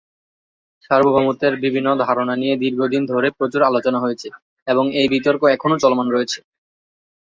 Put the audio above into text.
সার্বভৌমত্বের বিভিন্ন ধারণা নিয়ে দীর্ঘদিন ধরে প্রচুর আলোচনা হয়েছে, এবং এই বিতর্ক এখনো চলমান রয়েছে।